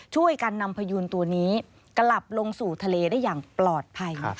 ช่วยกันนำพยูนตัวนี้กลับลงสู่ทะเลได้อย่างปลอดภัย